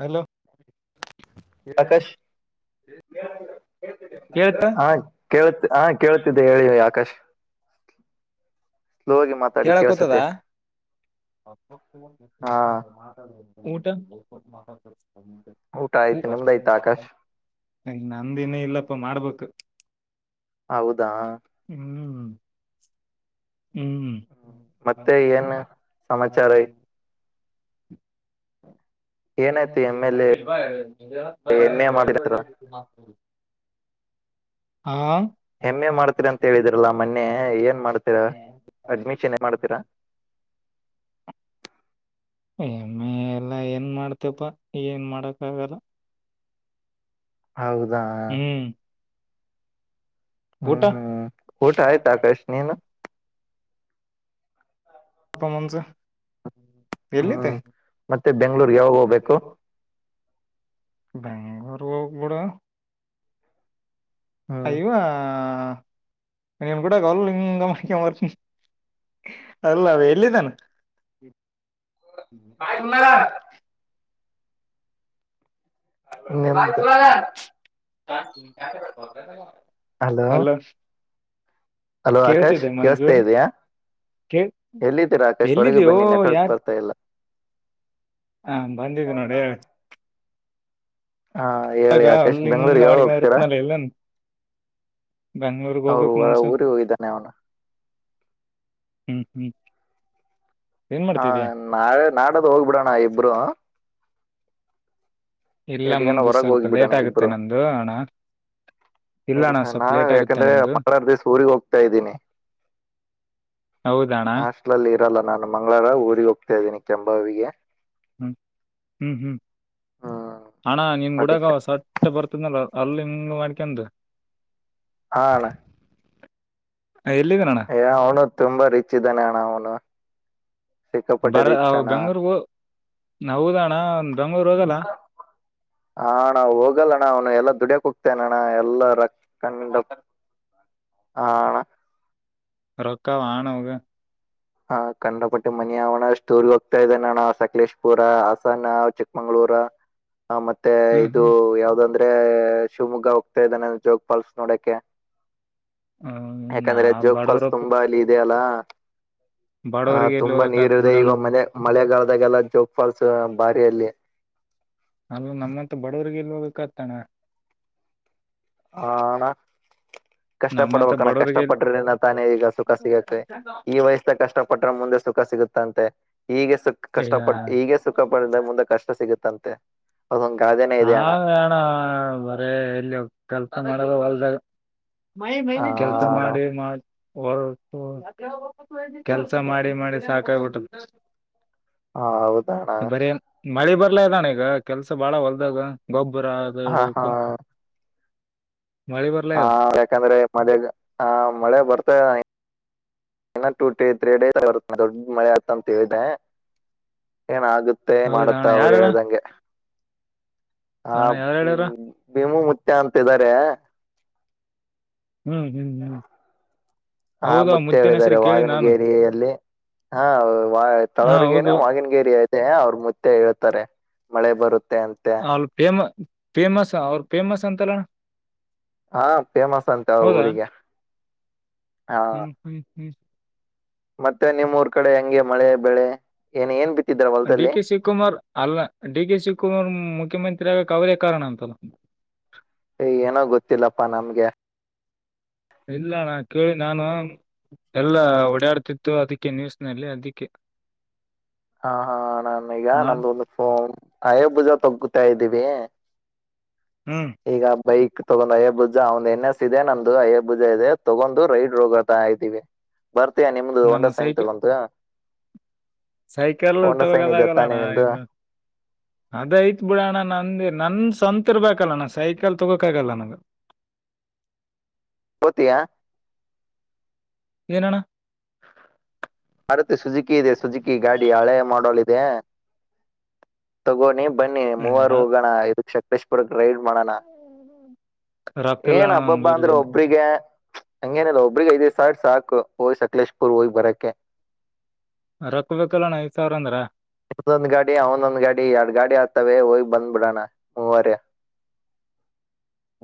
Hello ಆಕಾಶ [unintelligible] ಕೇಳ್ತ ಹಾ ಕೇಳತ್ ಹಾ ಕೇಳ್ತಿದ್ದೆ ಹೇಳಿ ಆಕಾಶ್. ಸ್ಲೋ ಆಗಿ ಮಾತಾಡಿ ಕೇಳ ಕೂತದ ಕೇಳ್ಸತ್ತೆ [unintelligible] ಹಾ ಊಟಾ ಊಟ ಆಯ್ತು ನಿಮ್ದಾಯ್ತಾ ಆಕಾಶ್ ನಂದ ಇನ್ನ ಇಲ್ಲಾ ಪ್ಪ ಮಾಡ್ಬೇಕ ಹಾ ಹ್ಮ್ ಹ್ಮ್ ಹ್ಮ ಮತ್ತೆ ಏನ್ ಸಮಾಚಾರಾ [unintelligible] ಏನಾಯ್ತು M L A M A ಮಾಡಿರ್ತಾರ [unintelligible] ಹಾ ಎಮ್ಮೆ ಮಾಡ್ತರಿ ಅಂತ ಹೇಳಿದ್ರಲ್ಲಾ ಮೊನ್ನೆ ಏನ್ ಮಾಡ್ತರ ಅಂಡ್ ಮಿಷನ್ ಮಾಡ್ತೀರಾ ಎಮ್ಮೆ ಎಲ್ಲಾ ಏನ್ ಮಾಡ್ತಪ್ಪಾ ಏನ್ ಮಾಡಕ್ ಆಗಿಲ್ಲಾ ಹೌದಾ ಹ್ಮ್ ಊಟ ಹ್ಮ್ ಹ್ಮ್ ಊಟ ಆಯಿತ ಆಕಾಶ ನೀನು [unintelligible] ಎಲ್ಲಿದೆ ಹ್ಮ್ ಮತ್ತೆ [unintelligible] ಬೆಂಗ್ಳೂರ್ಗೆ ಯಾವಾಗ ಹೋಗ್ಬೇಕು ಬಿಡು ಹ್ಮ್ ಇಯ್ವ ನೀನು ಕೂಡ ಕಲ್ ಇಂಗ ಮನಿಕ ಮರ್ತೀ ಅಲ್ಲಾ ಎಲ್ಲಿದ್ದಾನ [unintelligible] ಹಲೋ ಹಲೋ ಆಕಾಶ್ ಕೇಳುಸ್ತಾ ಇದೆಯಾ ಕೇಳ್ ಎಲ್ಲಿ ಇದ್ದೀರಾ ರಾಕೇಶ್ ಹೊರೆಗೂ ಎಲ್ಲಿದೀಯೋ ಬನ್ನಿ ನೆಟ್ವರ್ಕ್ ಬರ್ತಾ ಇಲ್ಲಾ ಹಾ ಬಂದಿದ್ದ ನೋಡಿ ಹಾ ಆಗ ಹೇಳಿ ಆಕಾಶ್ ಅಲ್ಲಿ ಹಿಂಗ ಬೆಂಗಳೂರಿಗೆ ಯಾವಾಗ ಮಾಡಿಕ ಹೋಗ್ತೀರಾ ಇರ್ತ್ನಲ್ಲ ಇಲ್ಲನ್ ಬೆಂಗಳೂರು ಅವ್ರು ಹೋಗಬೇಕ ಹೊರ- ಮುಂಸು ಊರಿಗೆ ಹೋಗಿದ್ದಾನೆ ಅವನು ಹ್ಮ್ ಹ್ಮ ಹಾ ನಾಳೆ ನಾಡದ ಹೋಗ್ಬಿಡೋಣ ಇಬ್ರು ಇಲ್ಲ ಇದೀಗನ ಮುಂದು ಹೊರಗೆ ಸ್ವಲ್ಪ ಲೇಟ್ ಆಗುತ್ತೆ ನಮ್ದ ಅಣ್ಣಾ ಇದು ಸ ನಾನು ಯಾಕಂದ್ರೆ ಪಾರ ದಿವಸ ಊರಿಗೆ ಹೋಗ್ತಾ ಇದ್ದೀನಿ ಹೌದಣ ಹಾಸ್ಟ್ಲಲ್ಲಿ ಇರಲ್ಲ ನಾನು ಮಂಗಳಾರ ಊರಿಗೆ ಹೋಗ್ತಾ ಇದ್ದೀನಿ ಕೆಂಬಾವಿಗೆ ಹ್ಮ್ ಹ್ಮ್ ಹ್ಮ್ ಹ್ಮ್ ಅಣ್ಣಾ ನಿಮ ಗುಡಗ ಅದಕ್ಕೆ ಸಟ್ಟ ಬರ್ತದನಲ್ಲ ಹಲ್ ಹಿಂಗ ಮಾಡ್ಕೊಂಡು ಹಾ ಅಣ್ಣಾ ಎಲ್ಲಿದನಣ್ಣ ಯ ಅವ್ನು ತುಂಬಾ ರಿಚ ಇದ್ದಾನೆ ಅಣ್ಣ ಅವನು ಸಿಕ್ಕಾಪಟ್ಟೆ ಬರ ರಿಚ್ ಅಣ್ಣ ಬೆಂಗಳುರ್ ಹೋ ನಾ ಹೋದಣ ಬೆಂಗ್ಳೂರ್ ಹೋದಲ್ಲ ಹಾಣಾ ಹೋಗಲ್ಲಣ್ಣ ಅವ್ನು ಎಲ್ಲಾ ದುಡ್ಯಕ್ ಹೋಗ್ತನಣ್ಣ ಎಲ್ಲ ರೊಕ್ಕ [inaudible] ಹಾ ಅಣ್ಣ ರೊಕ್ಕಾ ವನ್ ಹೋಗ ಹಾ ಕಂಡ ಪಟಿ ಮನ ಅವಣ ಸ್ಟೋರಿ ಹೋಗ್ತಾ ಇದೆ ನಣ ಸಕಲೇಶ್ಪುರ ಹಾಸನ ಚಿಕ್ಕಮಂಗಳೂರು ಪುರ ಮತ್ತೆ ಹ್ಮ್ ಇದು ಹ್ಮ್ ಯಾವ್ದಂದ್ರೆ ಮ ಶಿವಮೊಗ್ಗ ಹೋಗ್ತಾ ಇದ್ದಾನೆ ಜೋಗ ಪಾಲ್ಸ್ ನೋಡಕೆ ಹ್ಮ್ ನಾ ಯಾಕಂದ್ರೆ ಜೋಗ ಫಾಲ್ಸ್ ಬಡವರಪ್ಪ ತುಂಬಾ ಅಲ್ಲಿ ಇದೆಯ ಅಲ್ಲ ಹ ಬಡವರಿಗೆ ಎಲ್ಲಿ ತುಂಬಾ ನೀರ್ ಹೋಗಕ್ತ್ ಇದೆ ಬಿಡೋಣ ಈವ ಮನೆ ಮಳೆಗಾಲದಾಗೆಲ್ಲ ಜೋಗ ಫಾಲ್ಸ್ ಬಾರಿಯಲ್ಲಿ ಅಲ್ ನಮ್ಮಂತ ಬಡವರಿಗೆ ಇಲ್ ಹೋಗಕ್ಕತಾನ ಹ ಅಣ್ಣ ಕಷ್ಟ ನಮ್ಮಂತ ಪಡ್ಬೇಕಣ್ಣ ಕಷ್ಟ ಬಡವರಿಗೆ ಪಟ್ರರಿಂದ ತಾನೇ ಈಗ ಸುಖ ಸಿಗುತ್ತೆ ಈ ವಯಸ್ಸ್ದ ಕಷ್ಟ ಪಟ್ಟ್ರ ಮುಂದೆ ಸುಖ ಸುಖ ಸಿಗುತ್ತಂತೆ ಹೀಗೆ ಸುಖ ಕಷ್ಟಪಟ್ಟ ಹೀಗೆ ಸುಖ ಪಡಿದ ಮುಂದೆ ಕಷ್ಟ ಸಿಗುತ್ತಂತೆ ಅದೊಂದು ಗಾದೆನೇ ಹ ಇದೆ ಅಣ್ಣ ಅಣ ಬರೇ ಎಲ್ಲಿ ಕೆಲ್ಸ ಮಾಡದ ಹೊಲ್ದಾಗ ಆ, [unintelligible] ಕೆಲ್ಸ ಅಣ್ಣ ಮಾಡಿ ಮಾಡ [unintelligible] ಹೊ ಕೆಲ್ಸ ಮಾಡಿ ಮಾಡಿ ಸಾಕಾಗಬಿಟ್ಟದ ಹಾ ಹೌದ ಅಣ್ಣ ಮಳಿ ಬರ್ಲಾ ಇದ ಅಣ್ಣ ಈಗ ಕೆಲ್ಸ ಬಾಳ ಹೊಲ್ದಾಗ ಗೊಬ್ಬರ ಅದು ಹ ಹ ಇಡಕ್ ಹಾ ಯಾಕಂದ್ರೆ ಮದ ಹ ಮಳೆ ಬರ್ತ ಇನ ಟು ಟಿ ತ್ರೀ ಡೇಸ್ರುತ್ತ ದೊಡ್ ಮಳೆ ಆತಂತ್ದ ಏನ ಆ ಮತ್ತೆ ಹೌದಾ ಅಣ್ಣ ಮಾಡುತ್ತಾ ಅವ್ರು ಯಾರಣ್ಣ ಹೇಳ್ದಂಗೆ ಅಣ್ಣ ಹ್ಮ ಯಾರ ಹೇಳ್ಯಾರ ಭೀಮು ಮುಂತ್ಯಾ ಅಂತ ಇದಾರೆ ಹ್ಮ್ ಹ್ಮ್ ಹ್ಮ್ ಹಾ ಹೌದು ಆ ಮುತ್ತೆ ಮುತ್ತಿನ ಹೇಳಿದ್ದಾರೆ ಹೆಸರು ಕೇಳಿ ನಾನು ವಾಗಣಗೇರಿಯಲ್ಲಿ ಹಾ ವ ಹಾ ತಳವರಿಗೇನ ಹೌದು ವಾಗಿನಗೇರಿ ಐತೆ ಅವ್ರ ಮುತ್ತೆ ಹೇಳ್ತಾರೆ. ಮಳೆ ಬರುತ್ತೆ ಅಂತೆ ಅಲ್ ಫೇಮಸ್ ಅವ್ರು ಮ ಫೇಮಸ್ ಅವರು ಫೇಮಸ್ ಅಂತಲ್ಲಣ ಹಾ ಫೇಮಸ್ ಅಂತೆ ಊರಿಗೆ ಹಾ ಹ ಹ ಹ ಮತ್ತೆ ನಿಮ್ಮೂರ್ ಕಡೆ ಹೆಂಗೆ ಮಳೆ ಬೆಳೆ ಏನ್ ಏನ್ ಬಿತ್ ಡಿ ಕೆ ಶಿವಕುಮಾರ್ ಅಲ್ಲ ಡಿ ಕೆ ಶಿವಕುಮಾರ್ ಮುಖ್ಯಮಂತ್ರಿ ತಿರಾಗಕ್ ಅವ್ರೇ ಕಾರಣ ಅಂತಲ್ಲ. ಯ ಏನೋ ಗೊತ್ತಿಲ್ಲಪ್ಪಾ ನಮ್ಗೆ. ಇಲ್ಲ ನಾ ಕೇಳಿ ನಾನು ಎಲ್ಲಾ ಓಡಾಡ್ತಿತ್ತು ಅದಕ್ಕೆ ನ್ಯೂಸ್ನಲ್ಲಿ ಅದಿಕ್ಕೆ ಹ ಹಾ ಹಾ ನಾನ ಈಗ ನಮ್ದು ಒಂದು ಕಾಯಭುಜ ತಗ್ಗುುತ್ತ ತಾ ಇದ್ದೀವಿ ಹ್ಮ್ ಈಗ ಬೈಕ್ ತಗೊಂಡ್ ಅಯೇ ಬುಜಾ ಒಂದ್ ಎನ್ ಎಸ್ ಇದೆ ನಮ್ದು ಅಯೇ ಬುಜ ಇದೆ ತಗೊಂಡು ರೈಡ್ ರೋಗತಾ ಇದ್ದೀವಿ. ಬರ್ತಿಯಾ ನಿಮ್ದು ಹೋಂಡಾ ನಮ್ಮ ಸೈಂತ ಸೈಕಲ್ ತಗೊಂಡ ಸೈಕಲ್ ಸೈನ್ ತಗಗೋದ ಇದೆ ಆಗಲ್ಲಣ ತಾನೇ ನಿಮ್ದು ಇನ್ನು ಅದೈತ್ ಬಿಡೋಣ್ಣ ನಂದ ನನ್ ಸ್ವಂತ ಇರ್ಬೇಕಲ್ಲ ನ ಸೈಕಲ್ ತಗೋಕ ಆಗಲ್ಲ ನಂಗ ಹೊತಿಯಾ ಏನ ಅಣ್ಣ ಮಾರುತ್ತೆ ಸುಜುಕಿ ಇದೆ ಸುಜುಕಿ ಗಾಡಿ ಹಳೆ ಮಾಡೋಲ್ ಇದೆ ತಗೋನಿ ಬನ್ನಿ ಏ, ಮೂವರು ರೊಕ್- ಹೋಗಣ ಇದ ಶಕ್ತೇಶ್ಪುರಕ್ ರೈಡ್ ಮಾಡೋಣ ರೊಕ್ಕ ಇಲ್ಲ ಏನ್ ಅಣ್ಣ ನನ್ ಅಬ್ಬಬ್ಬಾ ಅಂದ್ರೆ ಬಲ್ಲಿ ಒಬ್ರಿಗೆ ಹಂಗೇನಿಲ್ಲ ಒಬ್ರಿಗೆ ಇದೆ ಸ ಸಾಕು ಹೋಯ್ ಸಕಲೇಶ್ ಪುರ್ ಹೋಯ್ ಬರಕ್ಕೆೆ ರೊಕ್ಕಬೇಕಲ್ಲಣ ಐದ ಸಾವಿರ ಅಂದ್ರ ಇಮೊಂದ್ ಗಾಡಿ ಅವಂದೊಂದ್ ಗಾಡಿ ಎರಡ್ ಗಾಡಿ ಆಗ್ತವೆ ಹೋಗ್ ಬಂದ್ಬಿಡೋಣ ಮೂವರ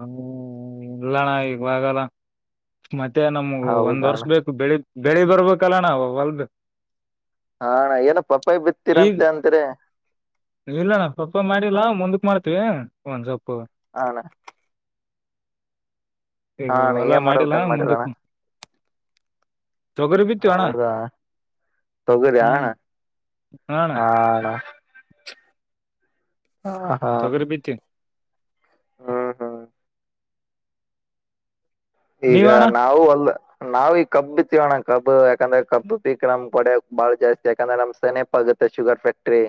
ಹ್ ಇಲ್ಲಣಾ ಈಗವಾಗಲ್ಲ. ಮತ್ತೆ ನಮ್ಗು ಒಂದ್ ಹೌದಣ ವರ್ಷ ಬೇಕು ಬೆಳಿ ಬೆಳಿ ಬರ್ಬೇಕಲ್ಲಣ ಹೊಲ್ದ ಹಾ ಏನ ಪಪ್ಪಾಯ ಬಿತ್ತೀರಂತೆ ಅಂತರಿ ಇಲ್ಲ ನ ಸೊಪ್ಪೆ ಮಾಡಿಲ್ಲ ಮುಂದಕ್ ಮಾಡ್ತೀವಿ ಒಂದ್ ಸೊಪ್ಪ ಹಲ ಈಗ ಹಾ ಹೊಲ ಏನ್ ಮಾಡ್ಬೇಕಂದ್ ಮಾಡಿಲ್ಲ ಕಲ್ ಮಾಡಿರ ಮುಂದಕ್ ತೊಗರಿ ಬಿತ್ತೀವಿ ಅಣ್ಣ ಹೌದಾ ತೊಗುರ ಅಣ ಹ್ಮ್ ಹಾ ಅಣ್ಣ ಹ ಹಾ ತೊಗರಿ ಬಿತ್ತೀವಿ ಹ್ಮ್ ಹ್ಮ್ ಈಗ ನೀವಣ್ಣ ನಾವು ಅಲ್ಲ್ ನಾವ್ ಈಗ ಕಬ್ಬ ಬಿತ್ತೀವಿ ಅಣ್ಣ ಕಬ್ಬ ಯಾಕಂದ್ರೆ ಕಬ್ಬ ಪೀಕ್ ನಮ್ ಕಡೆ ಬಾಳ್ ಜಾಸ್ತಿ ಯಾಕಂದ್ರೆ ನಮ್ ಸೆನ್ಪ್ ಶುಗರ್ ಫ್ಯಾಕ್ಟ್ರಿ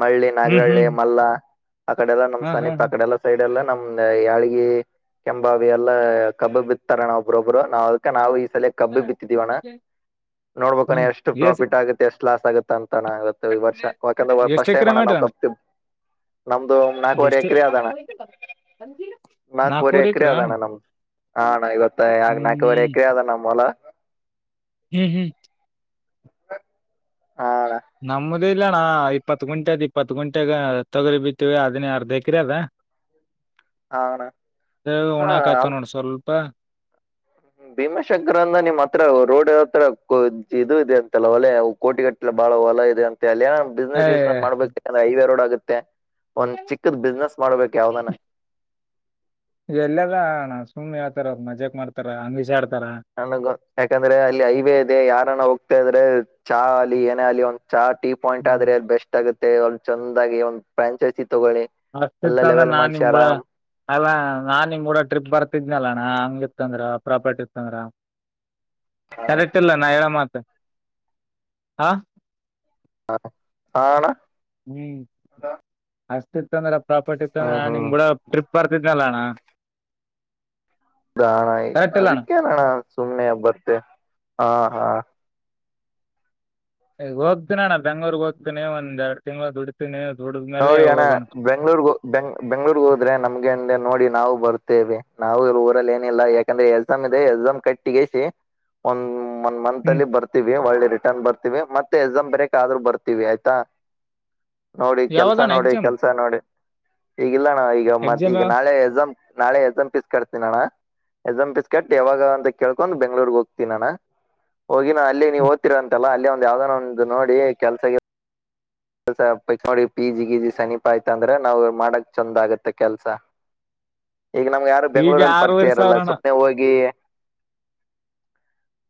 ಮಳ್ಳಿ ಹ್ಮ್ ನಾಗರಹಳ್ಳಿ ಹ್ಮ್ ಮಲ್ಲ ಅಕಡೆಲ್ಲ ನಮ್ ಹಾ ಹಾ ಸಮೀಪ ಆಕಡೆಲ್ಲ ಸೈಡ್ ಗಲ್ಲ ನಮ್ದ ಯಾಳಿಗಿ ಕೆಂಬಾವಿ ಎಲ್ಲಾ ಕಬ್ಬ ಬಿತ್ ತರಣ್ಣ ಒಬ್ರೊಬ್ರು ನಾವ ಅದ ನಾವು ಸಲಿ ಕಬ್ಬು ಬಿತ್ತಿದಿವಣ್ಣ ನೋಡ್ಬಬೇಕಣ್ಣ ಹ್ಮ್ ಎಷ್ಟು ಎಷ್ಟ್ ಪ್ರಾಫಿಟ್ ಆಗುತ್ತೆ ಎಷ್ಟು ಲಾಸ್ ಆಗುತ್ತೆ ಅಂತ ನಾಲ್ಕೈದ್ ವರ್ಷ ಯಾಕೆಂದ್ರೆ ಎಷ್ಟ್ ಫಸ್ಟ್ ಟೈಮ್ ಎಕರೆ ಅಣ್ಣ ನಾವು ಮಾಡ್ರಿ ಕಬ್ ನಮ್ದು ನಾಲ್ಕುವರೆ ಎಷ್ಟು ಎಕರೆ ಆದಣ್ಣ ನಾಕುವರೆ ನಾಲ್ಕೂವರೆ ಏಕರೆ ಎಕ್ರೆ ಅಣ್ಣ ಅದಣ್ಣ ನಮ್ಮದ್ ಆ ಅಣ್ಣ ಇವತ್ತ ಯಾಗ್ ನಾಲ್ಕವರೆ ಹ್ಮ್ ಎಕರೆ ಅದ ನಮ್ಮ ಹೊಲ ಹ್ಮ್ ಹ್ಮ್ [unintelligible] ಇಲ್ಲಣ್ಣ ಇಪ್ಪತ್ ಗುಂಟೆ ಅದ್ ಇಪ್ಪತ್ ಗುಂಟೆ ಆದೆ ತೊಗರಿ ಬಿತ್ತೀವಿ ಅದನ್ನೇ ಅರ್ಧ ಎಕರೆ ಅದೆ ಹಾ ಅಣ್ಣ ಅ ಹಾ ಒಣಕತ್ತವ ನೋಡ್ ಸ್ವಲ್ಪ ಭೀಮಶಂಕರ್ ಅಂದ ನಿಮ್ ಹತ್ರ ರೋಡ್ ಹತ್ರ ಇದು ಇದೆ ಅಂತಲ್ಲ ಒಲೆ ಕೋಟಿಗಟ್ಲೆ ಬಾಳ ಹೊಲ ಇದೆ ಅಂತೆ ಅಲ್ಲಿ ಏ ಬಿಸ್ನೆಸ್ ಇಸ್ಕೊಂಡ್ ಮಾಡ್ಬೇಕು ಅಲ್ಲಾ ಅಲ್ಲಿ ಹೈವೇ ರೋಡ್ ಆಗುತ್ತೆ. ಒಂದ್ ಚಿಕ್ಕದ್ ಬಿಸ್ನೆಸ್ ಮಾಡ್ಬೇಕ್ ಯಾವ್ದಾನ ಎಲ್ಲದಣ್ಣ ಸುಮ್ನೆ ಹೇಳ್ತಾರಾ ಅವರ್ ಮಜಾಕ್ ಮಾಡ್ತಾರ [unintelligible] ನನಗ ಯಾಕಂದ್ರೆ ಅಲ್ಲಿ ಹೈವೇ ಇದೆ ಯಾರನ್ನ ಹೋಗ್ತಾ ಇದ್ರೆ ಚಾ ಅಲಿ ಏನೆ ಅಲಿ ಅ ಚಾ ಟೀ ಪಾಯಿಂಟ್ ಹ್ಮ್ ಆದ್ರೆ ಅಲ್ಲಿ ಬೆಸ್ಟ್ ಆಗುತ್ತೆ ಒಂದ್ ಚಂದಾಗಿ ಒಂದು ಫ್ರಾಂಚೈಸಿ ತಗೊಳ್ಳಿ ಎಲ್ಲ ಲೆವೆಲ್ ಅಷ್ಟತನೆಣ್ಣ ಅಂದ್ರೆ ನಾನ್ ಮಾಡ್ಸಿ ನಿಮ್ ಕೂಡ ಆರಾಮ್ ಅಲ್ಲ ನಾನ್ ನಿಮ್ ಕೂಡ ಟ್ರಿಪ್ ಬರ್ತಿದ್ನಲ್ಲಣ್ಣ ಇತಂದ್ರ ಪ್ರಾಪರ್ಟಿ ಇತಂದ್ರ ಕರೆಕ್ಟ್ ಅಲ್ಲ ನಾ ಹೇಳೋ ಮಾತ್ ಹಾ ಹ ಅಣ್ಣ ಹ್ಮ್ ಅಷ್ಟ ಇತ್ತಂದ್ರೆ ಪ್ರಾಪರ್ಟಿ ಇತ್ತಂದ್ರೆ ಹ್ಮ್ ಹ್ಮ್ ನಿಂಗ್ ಕೂಡ ಟ್ರಿಪ್ ಪ್ ಬರ್ತೀದ್ ಅಲ್ಲ ಅಣ್ಣ ಅಣ್ಣ ಕರೆಕ್ಟ್ ಇಲ್ಲ ಅಣ್ಣ ಅದಕ್ಕೇನೇಣ್ಣ ಸುಮ್ಮನೆ ಬರ್ತ ಹಾ ಹಾ ಈಗ ಹೋಗ್ತೀನಿ ಅಣ್ಣ ಬೆಂಗಳೂರಿಗೆ ಹೋಗ್ತೀನಿ ಒಂದ ಎರಡ್ ತಿಂಗಳ ದುಡಿತ್ತೀನಿ. ನೋಡಿ ಅಣ್ಣ ಬೆಂಗಳೂರಿಗೆ ಬೆಂಗ್ ಬೆಂಗಳೂರಿಗೆ ಹೋದ್ರೆ ನಮ್ಗೆಂದೆ ನೋಡಿ ನಾವು ಬರ್ ತ್ತೆವೆ ನಾವು ಈ ಊರಲ್ಲಿ ಏನಿಲ್ಲ ಯಾಕಂದ್ರೆ ಎಕ್ಸಾಮ್ ಇದೆ ಎಕ್ಸಾಮ್ ಕಟ್ಟಿಗೆಸಿ ಒಂದ್ ಒನ್ ಮಂತ್ ಹ್ಮ್ ಅಲ್ಲಿ ಬರ್ತೀವಿ ಒಳ್ಳೆ ರಿಟರ್ನ್ ಬರ್ತವಿ ಮತ್ತೆ ಎಕ್ಸಾಮ್ ಬರೇಕ ಆದ್ರೂ ಬರ್ತೀವಿ ಆಯ್ತಾ ನೋಡಿ ಕೆಲಸ ಯಾವಾಗಣ್ಣ ನೋಡಿ ಎಕ್ಸಾಮ್ ಕೆಲಸ ನೋಡಿ ಇಲ್ಲ ಅಣ್ಣ ಈಗ ಮತ್ ಎಕ್ಸಾಮ್ ಈಗ ಯಾವಾಗ ನಾಳೆ ಎಕ್ಸಾಮ್ ನಾಳೆ ಎಕ್ಸಾಮ್ ಪೀಸ್ ಕಟ್ತೀನಿ ಅಣ್ಣ ಎಕ್ಸಾಮ್ ಪೀಸ್ ಕಟ್ ಯಾವಾಗ ಅಂತ ಕೇಳ್ಕೊಂಡ್ ಬೆಂಗಳೂರಿಗೆ ಹೋಗ್ತೀನಿ ಅಣ್ಣ ಹೋಗಿನ ಅಲ್ಲಿ ನೀವು ಹೊತ್ತೀರಾ ಅಂತೆಲ್ಲ ಅಲ್ಲಿ ಒಂದ್ ಯಾವ್ದಾನ ಒಂದು ನೋಡಿ ಕೆಲ್ಸ ಕೆಲಸ ನೋಡಿ ಪಿಜಿ ಗೀಜಿ ಸಮೀಪ ಆಯ್ತ್ ಅಂದ್ರೆ ನಾವು ಮಾಡಕ್ ಚಂದ ಆಗುತ್ತೆ ಕೆಲಸ [inaudible] ಈಗ ನಮಗೆ ಯಾರು ಪಿ ಜಿ ಬೆಂಗಳೂರಲ್ಲಿ ಆರೂವರೆ ಪರಿಚಯ ಇರಲ್ಲ ಸಾವಿರ ಅಣ್ಣ ಸುಮ್ಮನೆ ಹೋಗಿ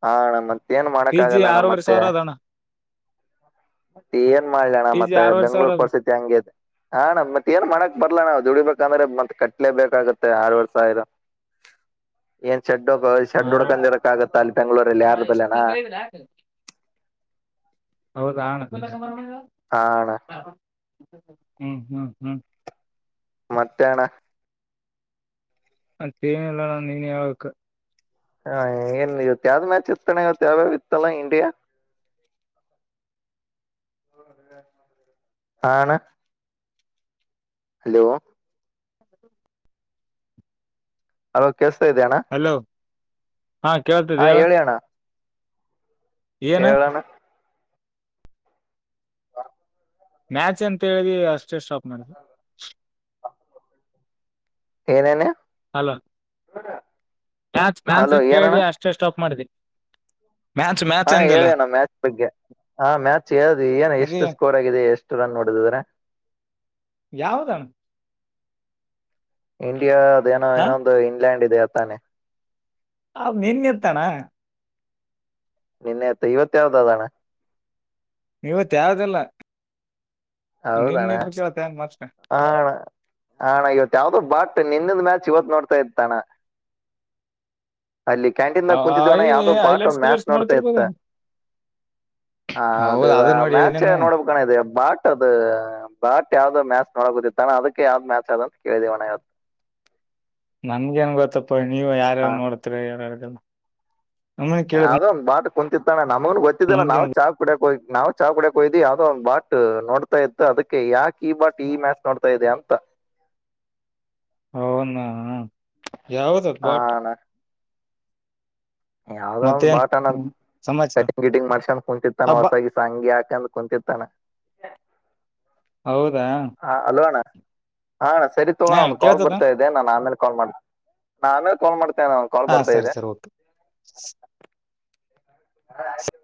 ಹಾ ಅಣ್ಣ ಮತ್ತೆ ಏನ್ ಪಿ ಮಾಡಕ್ಕ ಜಿ ಆಗಲ್ಲ ಅಣ್ಣ ಆರೂವರೆ ಮತ್ತೆ. ಸಾವಿರ ಅದ ಅಣ್ಣ ಏನ್ ಮಾಡ್ಲಿ ಅಣ್ಣ ಪಿ ಜಿ ಮತ್ತೆ ಆರೂವರೆ ಸಾವಿರ ಬೆಂಗಳೂರ್ ಅದ ಪರಿಸ್ಥಿತಿ ಹಂಗ್ ಐತಿ ಅ ಅಣ್ಣ ಮತ್ತೆ ಏನ್ ಮಾಡಕ್ ಬರ್ಲಣ್ಣ ದುಡಿಬೇಕಂದ್ರೆ ಮತ್ ಕಟ್ಲೆೇ ಬೇಕಾಗುತ್ತೆ ಆರು ವರ್ಷ ಇದ್ ಶೆಡ್ ಹೋಗ ಶೆಡ್ ಆರು ಹುಡ್ಕಂದಿರಕ ಆಗತ್ತ ಅಲ್ಲಿ ಬೆಂಗಳೂರಲ್ಲಿ ಯಾರ್ ಬಲ್ಲೇನ ಹೌದ [unintelligible] ಹ ಅಣ್ಣ ಹ್ಮ್ ಹ್ಮ್ ಹ್ಮ್ ಮತ್ತೆ ಅಣ್ಣ ಮತ್ತೆ ಏನಿಲ್ಲ ಅಣ್ಣ ನೀನೇ ಹೇಳಬೇಕು ಹಾ ಏನ್ ಇವತ್ ಯಾವ್ದ್ ಮ್ಯಾಚ್ ಇರ್ತಾಣ್ಣ ಇವತ್ತು ಯಾವ್ಯಾವು ಇತಣ್ಣ ಇಂಡಿಯಾ [inaudible] ಆ ಅಣ್ಣ ಹಲೋ ಹಲೋ ಕೇಳಿಸ್ತಿದಿಯಣ್ಣ ಹಲೋ ಹಾ ಕೇಳ್ತಿತಿದ್ದೆ ಹೇಳು ಹೇಳಣ್ಣ ಮ್ಯಾಚ್ ಅಂತ ಹೇಳ್ದಿ ಅಷ್ಟೇ ಸ್ಟಾಪ್ ಮಾಡಿದೆ ಏನೇನು ಹಲೋ ಮ್ಯಾಚ್ ಮ್ಯಾಚ್ ಹಲೋ ಅಂತ ಏನಣ್ಣ ಕೇಳಿ ಅಷ್ಟೇ ಸ್ಟಾಪ್ ಮಾಡಿದಿ ಹಾ ಹೇಳಿ ಅಣ್ಣ ಮ್ಯಾಚ್ ಬಗ್ಗೆ ಹಾ ಮ್ಯಾಚ್ ಹೇಳ್ದ ಏನ್ ಅದೇ ಎಷ್ಟು ಸ್ಕೋರ್ ಆಗಿದೆ ಎಷ್ಟು ರನ್ ನೋಡಿದ್ರ ಯಾವದಣ್ಣ ಇಂಡಿಯಾದ ಏನೋ ಹಾ ಇನ್ನೊಂದು ಇಂಗ್ಲೆಂಡ್ ಇದೆ ಅತಾನೆ ಹ ಮೀನ್ಗೆತ್ತಾನ ನಿನ್ನೆತ್ ಇವತ್ತ ಯಾವ್ದದನ್ನಾ ಇವತ್ತು ಯಾವ್ದು ಇಲ್ಲ ಹೌದಣ್ಣ ಮತ್ತೆ ಆ ಅಣ್ಣ ಹ ಅಣ್ಣ ಇವತ್ ಯಾವ್ದು ಬಾಟ್ ನನೆನ್ನೆದು ಮ್ಯಾಚ್ ಇವತ್ ನೋಡ್ತಾ ಇತ್ತಣ ಅಲ್ಲಿ ಕ್ಯಾಂಟೀನ್ ದಾಗ ಕುಂತಿದವಣ ಯಾವುದೋ ಬಾಟ್ ಹೈಲೈಟ್ಸ್ ಮ್ಯಾಚ್ ಗಿಲೈಟ್ಸ್ ನೋಡ್ತಾ ಇತ್ತ ನೋಡ್ತಿರ್ಬೋದೇನ್ ಹ ಅದು ಹೌದ್ ಆ ನೋಡಿ ಮ್ಯಾಚ ಹೇಳಿದೇನ ನೋಡ್ಬೇಕಣ ಇದೆ ಬಾಟ್ ಅದು ಬ್ಯಾಟ್ ಯಾವ್ದ ಮ್ಯಾಚ್ ನೋಡಗುದಿತ್ತಾನ ಅದಕ್ಕೆ ಯಾವ್ದ್ ಮ್ಯಾಚ್ ಅ ಅಂತ ಕೇಳಿದೇವಣವ ನನಗೆ ಏನ್ ಗೊತ್ತಪ್ಪ ನೀವು ಯಾರ್ಯಾರ ಹಾ. ನೋಡ್ತಿರ ಹೇಳ್ರಲ್ಲ ಅದೊಂದು ಬಾಟ್ ಕುಂತಿತಣ್ಣ ನಮಗುನು ಗೊತ್ತಿದ್ದಲ್ಲ ನಮ್ಗೆ ನಾವು ಚಾ ಕುಡಿಯಾಕ್ ಹೋಗಿ ನಾವು ಚಾ ಕುಡಕ್ ಹೊಗಿದ್ವಿ ಯಾವ್ದೋ ಒಂದು ಬಾಟ್ ನೋಡ್ತಾ ಇತ್ತು ಅದಕ್ಕೆ ಯಾಕ ಈ ಬಾಟ್ ಈ ಮ್ಯಾಚ್ ನೋಡ್ತಾ ಇದೆ ಅಂತ ಅವುನ ಯಾವದು ಆ, ಬಾಟ್ ಯಾವದೋ ಒಂದು ಮತ್ತೇನ್ ಬಾಟ್ ಅಣ್ಣ ಹ್ಮ್ ಸಮಾಚಾರ ಕಟಿಂಗ್ ಗಿಟಿಂಗ್ ಮಾಡಸಕಂದ್ ಕುಂತಿತ್ತತಾನ ಹಬ್ಬ ಹೊಸದಾಗಿ ಸಾಂಗ್ ಹಾಕಂದ್ ಕುಂತಿತ್ತಾನ ಹೌದು ಹಾ ಹಲೋ ಅಣ್ಣ ಹಾ ಸರಿ ತಗೋಣ ಹಾ ಒಂದ್ ಕಾಲ್ ಕೇಳ್ತದ ಬರ್ತಾ ಇದೆ ನಾನ್ ಆಮೇಲೆ ಕಾಲ್ ಮಾಡತ ನಾನ್ ಆಮೇಲೆ ಕಾಲ್ ಮಾಡ್ತೀನಿ ಒಂದು ಕಾಲ್ ಹಾ ಬರ್ತಾ ಸರಿ ಇದ್ದೆ ಸರಿ ಓಕೆ ಹ ಆಯ್ತ